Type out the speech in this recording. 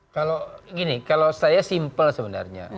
kalau gini kalau saya simpel sebenarnya